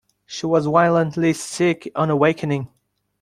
She was violently sick on awakening.